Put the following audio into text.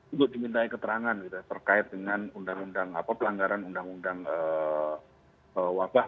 untuk diminta keterangan terkait dengan undang undang pelanggaran undang undang wabah